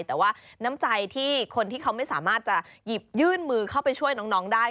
แต่ว่าน้ำใจที่คนที่เขาไม่สามารถจะหยิบยื่นมือเข้าไปช่วยน้องได้